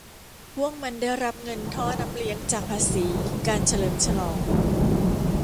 พวกมันได้รับเงินท่อน้ำเลี้ยงจากภาษีการเฉลิมฉลอง